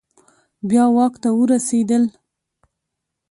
بیا واک ته ورسیدل